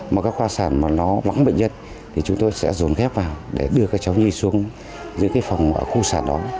mà các khoa sản nó vắng bệnh nhân chúng tôi sẽ dùng ghép vào để đưa các cháu nhi xuống dưới phòng khu sản đó